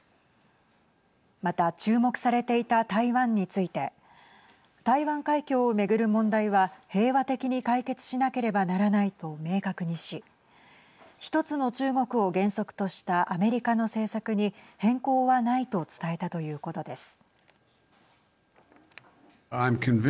また注目されていた台湾について台湾海峡を巡る問題は平和的に解決しなければならないと明確にし一つの中国を原則としたアメリカの政策に変更はないと伝えたということです。